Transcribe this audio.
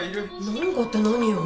なんかって何よ